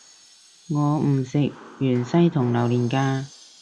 我唔食芫茜同榴連架